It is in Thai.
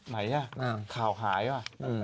ไหนข่าวหายว่ะ